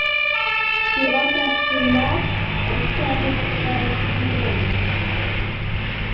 She watches as he morphs and kills his first human.